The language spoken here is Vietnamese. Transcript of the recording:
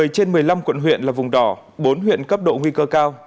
một mươi trên một mươi năm quận huyện là vùng đỏ bốn huyện cấp độ nguy cơ cao